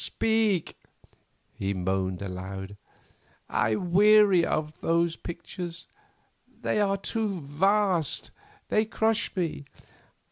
speak!" he moaned aloud. "I weary of those pictures. They are too vast; they crush me.